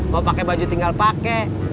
mau pakai baju tinggal pakai